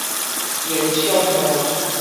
煙廠路